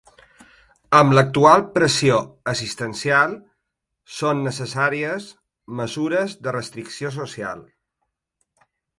Amb l’actual pressió assistencial, són necessàries mesures de restricció social.